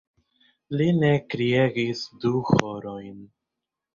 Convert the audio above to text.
Li ne kriegis du horojn!